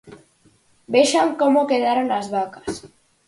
Vexan como quedaron as vacas.